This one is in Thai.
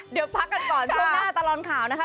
เดี๋ยวพักกันก่อนช่วงหน้าตลอดข่าวนะคะ